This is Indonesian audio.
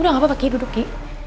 udah nggak apa apa ki duduk ki